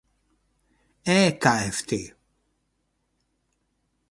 E kft.